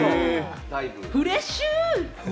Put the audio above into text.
フレッシュ！